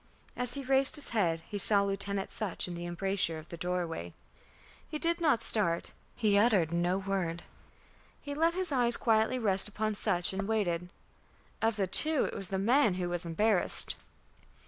As he raised his head, he saw Lieutenant Sutch in the embrasure of the doorway. He did not start, he uttered no word; he let his eyes quietly rest upon Sutch and waited. Of the two it was the man who was embarrassed.